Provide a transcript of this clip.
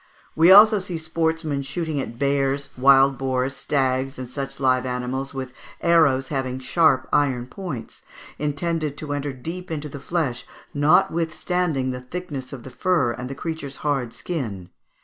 133); we also see sportsmen shooting at bears, wild boars, stags, and such live animals with arrows having sharp iron points, intended to enter deep into the flesh, notwithstanding the thickness of the fur and the creature's hard skin.